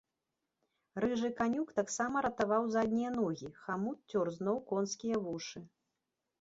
Рыжы канюк таксама ратаваў заднія ногі, хамут цёр зноў конскія вушы.